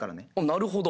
なるほど。